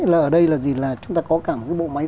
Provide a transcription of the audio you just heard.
là ở đây là gì là chúng ta có cả một cái bộ máy